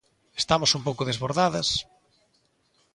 Estamos un pouco desbordadas.